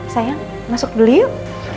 sayang masuk dulu yuk